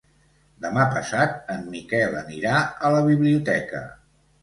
Demà passat en Miquel anirà a la biblioteca.